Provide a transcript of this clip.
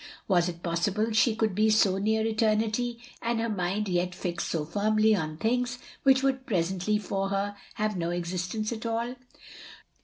Was it possible she could be so near Eternity and her mind yet fixed so firmly on things which would presently for her, have no existence at all?